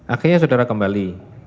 akhirnya saudara kembali